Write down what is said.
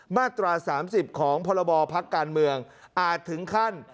มาตรา๓๐ของพรบพักการเมืองอาจถึงขั้น